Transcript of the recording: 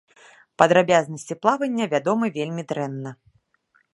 Падрабязнасці плавання вядомы вельмі дрэнна.